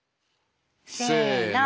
せの。